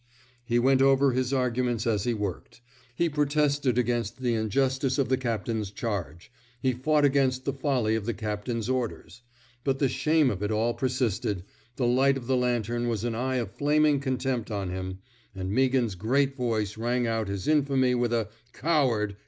He went over his arguments as he worked; he protested against the injustice of the captain's charge; he fought against the folly of the captain's orders; but the shame of it all persisted^ the light of the lantern was an eye of flaming contempt on him, and Meaghan 's great voice rang out his infamy with a Coward!